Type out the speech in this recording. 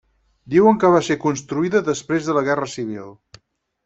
Diuen que va ser construïda després de la guerra Civil.